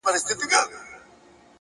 o ته يې جادو په شينكي خال كي ويــنې ـ